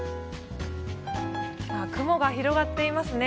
雲が広がっていますね。